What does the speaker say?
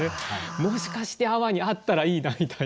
もしかして阿波にあったらいいなみたいな。